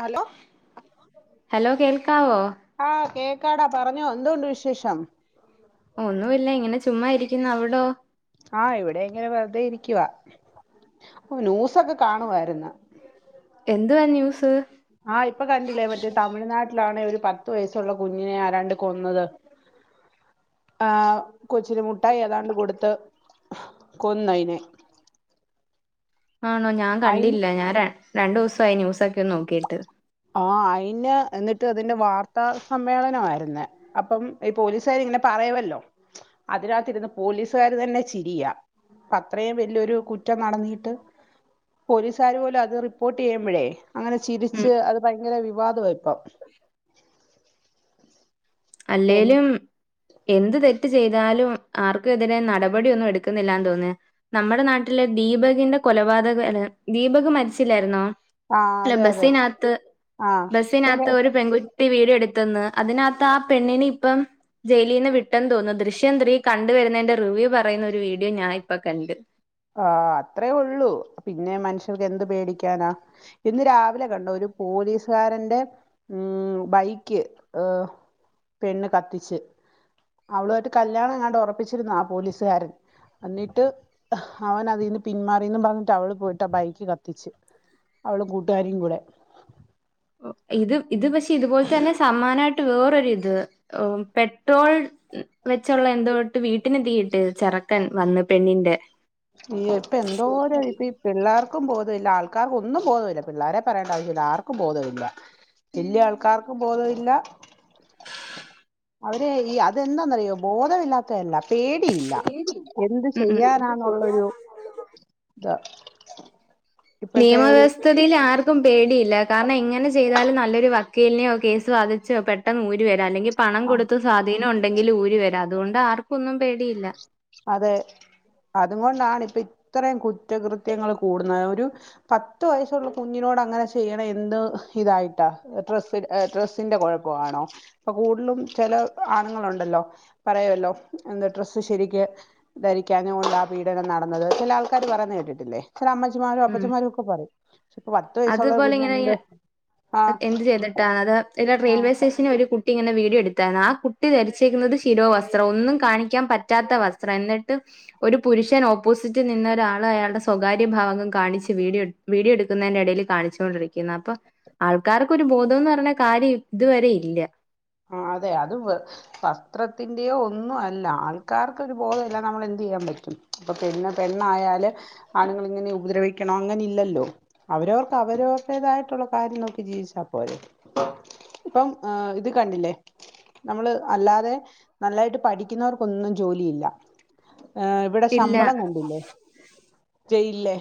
Hello hello കേൾക്കാവോ ആഹ് കേക്കാടാ പറഞ്ഞോ എന്തോണ്ട് വിശേഷം ഒന്നുമില്ല ഇങ്ങനെ ചുമ്മായിരിക്കുന്നു അവിടോ ആഹ് ഇവിടെ ഇങ്ങനെ വെറുതെ ഇരിക്കുവാ ഓ ന്യൂസൊക്കെ കാണുവായിരുന്നു എന്തുവാ ന്യൂസ് ആഹ് ഇപ്പൊ കണ്ടില്ലേ മറ്റേ തമിഴ്നാട്ടിലാണെ ഒരു പത്ത് വയസ്സുള്ള കുഞ്ഞിനെ ആരാണ്ട് കൊന്നത് ആഹ് കൊച്ചിന് മുട്ടായി ഏതാണ്ട് കൊടുത്ത് കൊന്നയിനെ ആണോ ഞാൻ അയിന് കണ്ടില്ലാ ഞാൻ ര രണ്ടു ദിവസായി ന്യൂസൊക്കെ നോക്കീട്ട് ആഹ് അയിന് എന്നിട്ട് അതിന്റെ വാർത്താ സമ്മേളനവായിരുന്ന് അപ്പം ഈ പോലീസുകാരിങ്ങനെ പറയുവല്ലോ അതിനാത്തിരുന്ന് പോലീസുകാര് തന്നെ ചിരിയാ പ്പ അത്രയും വല്യൊരു കുറ്റം നടന്നിട്ട് പോലീസുകാര് പോലും അത് റിപ്പോർട്ട് ചെയ്യുമ്പഴേ അങ്ങനെ ഉം ചിരിച്ച് അത് ഭയങ്കര വിവാ ദവാപ്പം പി- അല്ലേലും എന്ത് തെറ്റ് ചെയ്താലും ആർക്കുമെതിരെ നടപടിയൊന്നും എടുക്കുന്നില്ലാന്ന് തോൻന്ന് നമ്മടെ നാട്ടിലെ ദീപകിന്റെ കൊലപാതക ദീപക് മരിച്ചില്ലായിരുന്നോ? ആ അല്ല അതെ അതെ ബസ്സിനാത്ത് ആ പിന്നെ ബസ്സിനാത്ത് ഒരു പെൺകുട്ടി വീഡിയോ എടുത്തെന്ന് അതിനാത്ത് ത്താ ആ പെണ്ണിനെയിപ്പം ജയിലീന്ന് വിട്ടെന്ന് തോന്നുന്നു ദൃശ്യം ത്രീ കണ്ടുവരുന്നതിന്റെ റിവ്യൂ പറയുന്ന ഒരു വീഡിയോ ഞാന്നിപ്പ കണ്ട് ആഹ് അത്രേ ഉള്ളൂ പിന്നെ മനുഷ്യർക്ക് എന്ത് പേടിക്കാനാ ഇന്ന് രാവിലെ കണ്ടോ ഒരു പോലീസുകാരന്റെ ഉം ബൈക്ക് ഏഹ് പെണ്ണ് കത്തിച്ച് അവളുവായിട്ട് കല്യാണം എങ്ങാണ്ട് ഒറപ്പിച്ചിരുന്നതാ ആ പോലീസുകാരൻ അന്നിട്ട് അവനതീന്ന് പിന്മാറിന്ന് പറഞ്ഞിട്ട് അവള് പോയിട്ടാ ബൈക്ക് കത്തിച്ച് അവളും കൂട്ടുകാരിം കൂടെ ഇത് ഇത് പക്ഷെ ഇതുപോലെ തന്നെ സമാനായിട്ട് വേറൊരു ഇത് ഏഹ് പെട്രോൾ ഉം വെച്ചൊള്ള എന്തോ ഇട്ട് വീട്ടിന് തീയിട്ട് ചെറക്കൻ വന്ന് പെണ്ണിന്റെ ഇയ്യോ ഇപ്പൊ എന്തോര ഇപ്പയീ പിള്ളേർക്കും ബോധവില്ല ആൾക്കാർക്കൊന്നും ബോധവില്ല പിള്ളേരെ പറയേണ്ട ആവശ്യല്ല ആർക്കും ബോധവില്ല വല്യ ആൾക്കാർക്കും ബോധമില്ല അവര് ഈ അതെന്താന്നറിയോ ബോധമില്ലാത്തയല്ല പേടിയില്ല എന്ത് ഉം ഉം ചെയ്യാനാന്നൊ പ്പൊ ഇതാ നിയമവ്യവസ്ഥ യിൽ ആർക്കും പേടിയില്ല കാരണം എങ്ങനെ ചെയ്താലും നല്ലൊരു വക്കീലിനെയോ കേസ് വാദിച്ചോ പെട്ടെന്ന് ഊരി വരാ അല്ലെങ്കി പണം ആ കൊടുത്ത് സ്വാധീനം ഉണ്ടെങ്കില് ഊരി വരാ അതുകൊണ്ട് ആർക്കൊന്നും പേടിയില്ല അതെ അത്കൊണ്ടാണ് ഇപ്പൊ ഇത്രയും കുറ്റകൃത്യങ്ങൾ കൂടുന്ന ഒരു പത്ത് വയസ്സുള്ള കുഞ്ഞിനോട് അങ്ങനെ ചെയ്യണ എന്ത് ഇതായിട്ടാ ഡ്ര ഡ്രെസ്സിന്റെ കുഴപ്പ ആണോ ഇപ്പൊ കൂടുതലും ചെല ആണുങ്ങളുണ്ടല്ലോ പറയുവല്ലോ എന്താ ഡ്രസ്സ് ശരിക്ക് ധരിക്കാഞ്ഞ കൊണ്ടാ പീഡനം നടന്നത് ചില ആൾക്കാര് പറയുന്ന കേട്ടിട്ടില്ലേ ചെല അമ്മച്ചിമാരും ഉം അപ്പച്ചമാരും ഒക്കെ പറയും പക്ഷെ ഇപ്പൊ പത്ത് വയസ്സുള്ള അതുപോലെ കുഞ്ഞ് ഇങ്ങനെ എന്ത് എന്ത് ചെയ്തിട്ടാ അത് ഇല്ല ആഹ് റെയിൽവേ സ്റ്റേഷന് ഒരു കു കുട്ടി ഇങ്ങനെ വീഡിയോ എടുത്തേന കുട്ടി ധരിച്ചേക്കുന്നത് ശിരോവസ്ത്രം ഒന്നും കാണിക്കാൻ പറ്റാത്ത വസ്ത്രം എന്നിട്ട് ഒരു പുരുഷൻ ഓപ്പോസിറ്റിൽ നിന്നൊരാള് അയാളുടെ സ്വകാര്യ ഭാഗം കാണിച്ച് വീഡിയോ വീഡിയോ എടുക്കുന്നേന്റെ എടയി ല് കാണിച്ചൊണ്ടിരിക്കുന്ന് അപ്പൊ ആൾക്കാർക്ക് ഒരു ബോധം ന്ന് പറഞ്ഞ കാര്യം ഇതുവരെ ഇല്ല ആ അതെ അത് വെ വസ്ത്രത്തിന്റെയോ ഒന്നും അല്ല ആൾക്കാർക്കൊരു ബോധല്ല നമ്മൾ എന്ത് ചെയ്യാൻ പറ്റും അപ്പൊ പെണ്ണ് പെണ്ണായാല് ആണുങ്ങൾ ഇങ്ങനെ ഉപദ്രവിക്കണം അങ്ങനെ ഇല്ലല്ലോ അവരവർക്ക് അവരവരുടേതായിട്ടുള്ള കാര്യം നോക്കി ജീവിച്ചാ പോരെ ഇപ്പം ഏ ഇത് കണ്ടില്ലേ നമ്മള് അല്ലാതെ നല്ലായിട്ട് പഠിക്കുന്നവർക്കൊന്നും ജോലിയില്ല ഏഹ് ഇവിടെ ഇല്ല ശമ്പളം കണ്ടില്ലേ ജയിലിലെ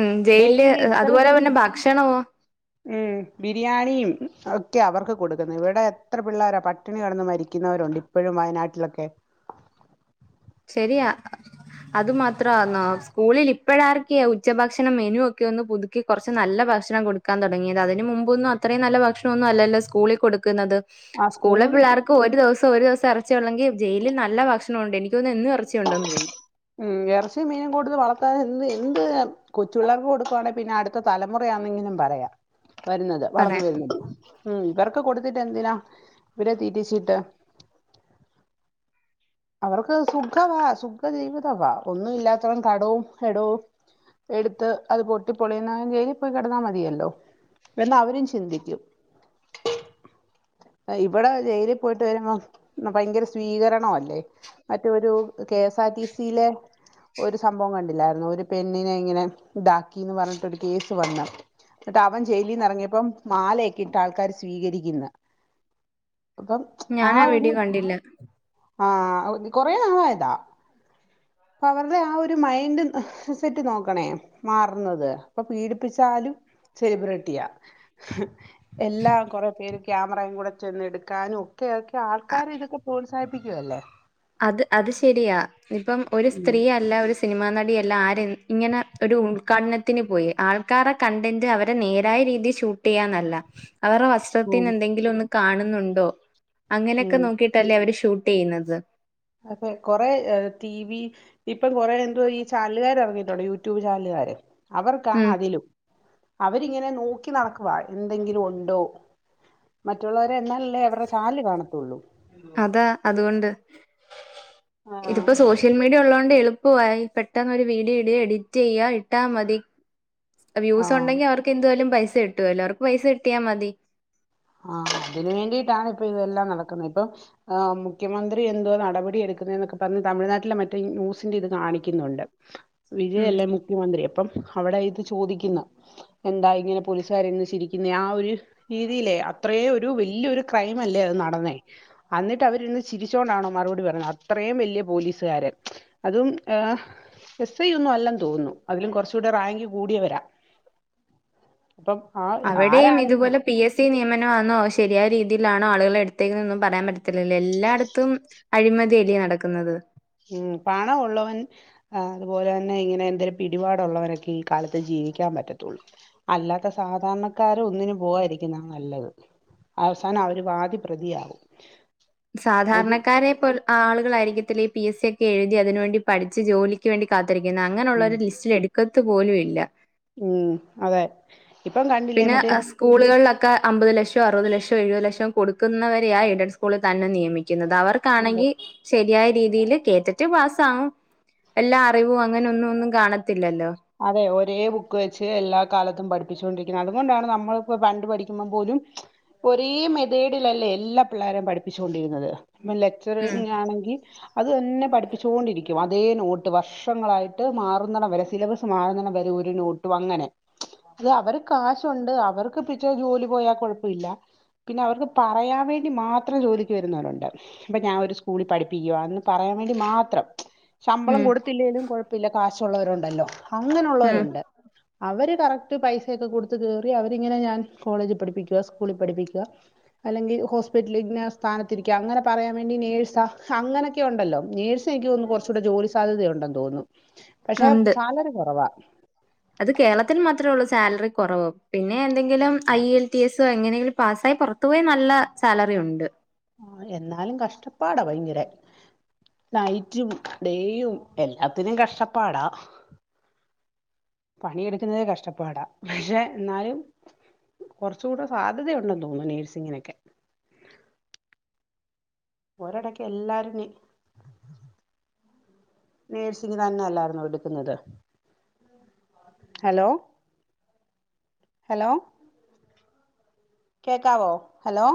ഉം ജയിലില് ഡെയിലി എത്ര അതുപോലെ പിന്നെ ഭക്ഷണമോ ഉം ബിരിയാണിയും ഒക്കെയാ അവർക്ക് കൊടുക്കുന്ന ഇവിടെ എത്ര പിള്ളോരാ പട്ടിണി കിടന്ന് മരിക്കുന്നവരുണ്ട് ഇപ്പോഴും വയനാട്ടിലൊക്കെ ശരിയാ അത് മാത്രാണോ സ്കൂളിൽ ഇപ്പഴാർക്കിയ ഉച്ചഭക്ഷണം മെനു ഒക്കെ ഒന്ന് പുതു ക്കി കുറച്ച് നല്ല ഭക്ഷണം കൊടുക്കാൻ തുടങ്ങിയത് അതിന് മുമ്പൊന്നും അത്രയും നല്ല ഭക്ഷണ ഒന്നും അല്ലല്ലോ സ്കൂളിൽ കൊടുക്കുന്നത് ആ സ്കൂളിലെ സ്കൂളിൽ പിള്ളേർക്ക് ഒരു ദിവസം ഒരു ദിവസം എറച്ചിയുള്ളെങ്കി ജയിലിൽ നല്ല ഭക്ഷണം ഉണ്ട് എനി ക്ക് തോന്നുന്ന് എന്നും ഇറച്ചിയുണ്ടെന്ന് തോന്നുന്നു ഉം എറച്ചിം മീനും കൊടുത്ത് വളർത്താന് എന്ത് എന്ത് കൊച്ചു പിള്ളേർക്ക് കൊടുക്കുവാണെങ്കി പിന്നെ അടുത്ത തലമുറയാന്നെങ്കിലും പറയാം വരുന്നത് വളർന്ന് പറയാൻ വരുന്നത് ഉം ഇവർക്ക് കൊടുത്തിട്ട് എന്തിനാ ഇവരെ തീറ്റിച്ചിട്ട് അവർക്ക് സുഖവാ സുഖ ജീവിതവാ ഒന്നും ഇല്ലാത്തവൻ കടവും എടവും എടുത്ത് അത് പൊട്ടി പൊളിയുന്നവൻ ജയിലിൽ പോയി കിടന്നാൽ മതിയല്ലോ എന്ന് അവരും ചിന്തിക്കും ഇവിടെ ജയില് പോയിട്ട് വരുമ്പോം ഭയങ്കര സ്വീകരണ അ ല്ലേ മറ്റേ ഒരു K S R T C യിലെ ഒരു സംഭവം ക ണ്ടില്ലായിരുന്നോ ഒരു പെണ്ണിനെ ഇങ്ങനെ ഇതാക്കിന്ന് പറഞ്ഞിട്ടൊരു കേസ് വന്ന് ഇന്നട്ട് അവൻ ജയിലിന്ന് എറങ്ങിയപ്പം മാലയൊക്കെയിട്ട് ആൾക്കാര് സ്വീകരിക്കുന്ന് ഞാനാ വീഡിയോ കണ്ടില്ല ആഹ് കൊറേ നാളായതാ അപ്പൊ അവരുടെ ആ ഒരു മൈൻഡ് സെറ്റ് നോക്കണേ മാറ്ന്നത് അപ്പൊ പീഡിപ്പിച്ചാലും സെലിബ്ര റ്റിയ എല്ലാം കൊറേ പേര് ക്യാമറയും കൂടെ ചെന്ന് എടുക്കാനും ഓക്കെ ഓക്കെ ആൾക്കാര് ഇതൊക്കെ പ്രോത്സാഹിപ്പിക്കുവല്ലേ അത് അത് ശരിയാ ഇപ്പം ഒരു ഉം സ്ത്രീയല്ല ഒരു സിനിമാ നടിയെല്ല ആര് ഇങ്ങനെ ഒരു ഉദ്ഘാടനത്തിന് പോയി ആൾക്കാരെ കണ്ടന്റ് അവരെ നേരായ രീതി ഷൂട്ട് ചെയ്യാന്നല്ല അവരെ ഉം ത്തിനെന്തെങ്കിലും ഒന്ന് കാണുന്നുണ്ടോ അങ്ങനെയൊക്കെ ഉം നോക്കിട്ടല്ലേ അവര് ഷൂട്ട് ചെയ്യുന്നത്. ഒപ്പം കൊറേ അ, ടി വി ഇപ്പം കൊറേ എന്തോ ഈ ചാനലുകാര് ഇറങ്ങിട്ടൊണ്ട് യൂ ട്യൂബ് ചാനലുകാരെ, അവർക്കാണ് ഉം അതിലും അവരിങ്ങനെ നോക്കി നടക്കുവാ എന്തെങ്കിലും ഒണ്ടോ മറ്റുള്ളവരെന്നാലല്ലേ അവരടെ ചാനല് കാണത്തുള്ളൂ. അതാ അതുകൊണ്ട്, ആഹ് ഇതിപ്പോ സോഷ്യൽ മീഡിയ ഉള്ളതൊണ്ട് എളുപ്പ പ്പോ പെട്ടെന്ന് ഒരു വീഡിയോ ഇടുക എഡിറ്റ് ചെയ്യാ ഇട്ടാ മതി വ്യൂസ് ആഹ് ഒണ്ടെങ്കിൽ അവർക്ക് ക്കെന്തായാലും പൈസ കിട്ടുവല്ലോ അവർക്ക് പൈസ കിട്ടിയാ മതി. ആ അതിന് വേണ്ടിയിട്ടാണ് ഇപ്പ ഇതെല്ലാം നടക്കുന്നത്, ഇപ്പൊ ആ മുഖ്യമന്ത്രി എന്തോ നടപടി എടുക്കുന്നുന്നൊക്കെ പറഞ്ഞ് തമിഴ്നാട്ടിലെ മറ്റേ ന്യൂസിന്റെ ഇത് കാണിക്കുന്നൊണ്ട്. വിജയ് ഉം അല്ലേ മുഖ്യമന്ത്രി അപ്പം അവിടെ ഇത് ചോദിക്കുന്ന എന്താ ഇങ്ങനെ പോലീസുകാർ ഇന്ന് ചിരിക്കുന്നെ ആ ഒരു രീതിയിലേ അത്രേ ഒരു വെല്ല്യോരു ക്രൈമല്ലേ അത് നടന്നേ അന്നിട്ടവര് ഇരുന്ന് ചിരിച്ചുകൊണ്ടാണോ മറുപടി പറഞ്ഞത് അത്രേം വെല്ല്യ പോലീസുകാര്. അതും ഏ, എസ് ഐ ഒന്നും അല്ലെന്നു തോന്നുന്നു അതിലും കുറച്ചുകൂടെ റാങ്ക് കൂടിയവരാ. അപ്പം ആ അവിടെയും ആരാണെങ്കിലും. ഇതുപോലെ പി എസ് സി നിയമനമാണോ ശരിയായ രീതിയിലാണോ ആളുകളെ എടുത്തേന്നൊന്നും പറയാൻ പറ്റത്തില്ലല്ലോ എല്ലായിടത്തും അഴിമതിയല്ല്യോ നടക്കുന്നത്. ഉം പണം ഒള്ളവൻ ആ അതുപോലെ തന്നെ ഇങ്ങനെ എന്തേലും പിടിപാടുള്ളവരൊക്കെ ഈ കാലത്ത് ജീവിക്കാൻ പറ്റത്തുള്ളൂ. അല്ലാത്ത സാധാരണക്കാര് ഒന്നിനും പോവാതിരിക്കുന്നാണ് നല്ലത്. അവസാനം അവരു വാദി പ്രതിയാകും. അത് സാധാരണക്കാരെ പോല ആളുകളായിരിക്കത്തില്ല ഈ പി എസ് സി ഒക്കെ എഴുതി അതിനുവേണ്ടി പഠിച്ച് ജോലി ക്ക് വേണ്ടി കാത്തിരിക്കുന്ന ഉം അങ്ങനെയുള്ളവരേ ലിസ്റ്റിലെടുക്കത്തു പോലും ഇല്ല. ഉം അതെ. ഇപ്പം കണ്ടില്ലേ പിന്നെ മറ്റേ അ സ്കൂളുകളിലൊക്കെ അമ്പത് ലക്ഷോ അറുപത് ലക്ഷോ എഴുപത് ലക്ഷോം കൊടുക്കുന്നവരെയാ എയ്ഡഡ് സ്കൂളിൽ തന്നെ നിയമിക്കുന്നത്. അവർ അതെ ആണെങ്കി ശരിയായ രീതീല് കേട്ടിട്ട് പാസാവും. എല്ലാ അറിവും അങ്ങനെ ഒന്നു ഒന്നും കാണത്തില്ലല്ലോ. അതെ ഒരേ ബുക്ക് വെച്ച് എല്ലാ കാലത്തും പഠിപ്പിച്ചോണ്ടിരിക്കുന്നത് അതുകൊണ്ടാണ് നമ്മളിപ്പോ പണ്ട് പഠിക്കുമ്പം പോലും ഒരേ മെതേഡിലല്ലേ എല്ലാ പിള്ളാരേം പഠിപ്പിച്ചോണ്ടിരുന്നത് ഇപ്പ ഉം ലെക്ചറിങ് ആണെങ്കി അത് തന്നെ പഠിപ്പിച്ചോണ്ടിരിക്കും അതേ നോട്ട് വർഷങ്ങളായിട്ട് മാറുന്നടം വരെ സിലബസ് മാറുന്നടം വരേ ഒരുനോട്ടും അങ്ങനെ അയ്യോ അവര് കാശൊണ്ട് അവർക്കിപ്പിച്ചെ ജോലി പോയാൽ കൊഴപ്പല്ല. പിന്നവർക്ക് പറയാൻ വേണ്ടി മാത്രം ജോലിക്ക് വരുന്നവരുണ്ട്. അപ്പൊ ഞാഒരു സ്കൂളിൽ പഠിപ്പിക്കുവാ എന്ന് പറയാൻ വേണ്ടി മാത്രം. ശമ്പളം ഉം കൊടുത്തില്ലേലും കൊഴപ്പില്ല, കാശൊള്ളവരൊണ്ടല്ലോ ഉം അങ്ങനൊള്ളവരുണ്ട്. അവര് കറക്റ്റ് പൈസയൊക്കെ കൊടുത്തു കേറി അവരിങ്ങനെ ഞാൻ കോളേജിൽ പഠിപ്പിക്കുവാ സ്കൂളിൽ പഠിപ്പിക്കുവാ അല്ലെങ്കിൽ ഹോസ്പിറ്റലി ഇന്ന സ്ഥാനത്തിരിക്കുവാ അങ്ങനെ പറയാൻ വേണ്ടി നേഴ്സാ അങ്ങനെ [unintelligible] നഴ്സ് [unintelligible] കുറച്ചൂടി ജോലി സാധ്യത ഉണ്ടെന്നുതോന്നുന്നു. [inaudible] പക്ഷെ സാലറി കുറവാ [inaudible] അത് കേരളത്തിൽ മാത്രേ ഉള്ളൂ സാലറി കുറവ് പിന്നെ എന്തെങ്കിലും ഐ ഇ എൽ ടി എസോ എങ്ങനെയെങ്കിലും പാസ്സായി [unintelligible] [unintelligible] നല്ല സാലറി ഉണ്ട്. എന്നാലും കഷ്ടപ്പാടാ ഭയങ്കര നൈറ്റും ഡേയും എല്ലാത്തിനും കഷ്ടപ്പാടാ പണിയെടുക്കുന്നതേ കഷ്ടപ്പാടാ പക്ഷെ എന്നാലും കുറച്ചുടെ സാലറി ഉണ്ടെന്ന് തോന്നുന്നു നഴ്സിങ്ങിനോക്കെ ഒരെടക്ക് എല്ലാരും [unintelligible] നേഴ്സിംഗ് തന്നെയല്ലാരുന്നോ എടുക്കുന്നത് ഹലോ ഹലോ കേക്കാവോ ഹലോ